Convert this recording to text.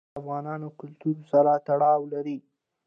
لوگر د افغان کلتور سره تړاو لري.